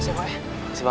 terima kasih pak